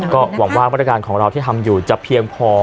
ก็หวังว่ามาตรการของเราที่ทำอยู่จะเพียงพอ